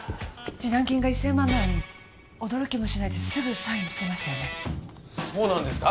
示談金が一千万なのに驚きもしないですぐサインしてましたよねそうなんですか？